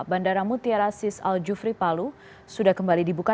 bandara mutia rasis al jufri palu sudah kembali dibuka